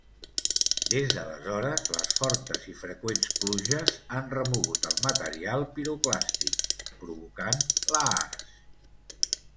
Des d'aleshores les fortes i freqüents pluges han remogut el material piroclàstic, provocant lahars.